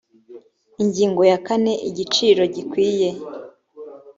ingingo ya kane igiciro gikwiye